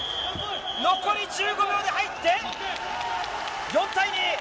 残り１５秒で入って、４対２。